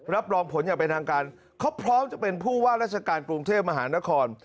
รับรองผลอย่างเป็นทางการเขาพร้อมจะเป็นผู้ว่าราชการกรุงเทพมหานคร